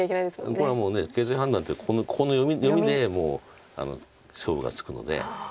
これはもう形勢判断というかここの読みでもう勝負がつくので。